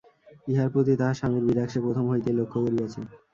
ইহার প্রতি তাহার স্বামীর বিরাগ সে প্রথম হইতেই লক্ষ করিয়াছে।